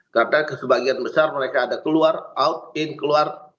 karena kesebagian besar mereka ada keluar out in keluar